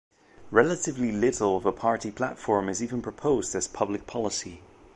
Relatively little of a party platform is even proposed as public policy.